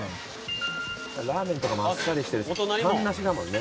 ラーメンとかもあっさりしてるし半ナシだもんね。